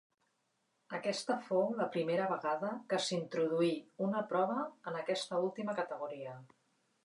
Aquesta fou la primera vegada que s'introduí una prova en aquesta última categoria.